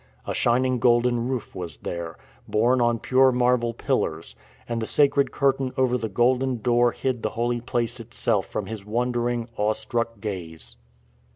A shin ing golden roof was there, borne on pure marble pillars; and the sacred curtain over the golden door hid the holy place itself from his wondering, awe struck gaze.